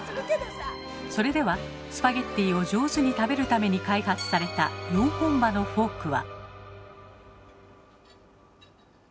それではスパゲッティを上手に食べるために開発された４本歯のフォークは。